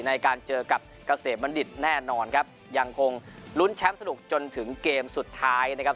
ในการเจอกับเกษมบัณฑิตแน่นอนครับยังคงลุ้นแชมป์สนุกจนถึงเกมสุดท้ายนะครับ